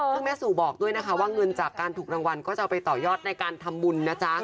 ซึ่งแม่สู่บอกด้วยนะคะว่าเงินจากการถูกรางวัลก็จะเอาไปต่อยอดในการทำบุญนะจ๊ะ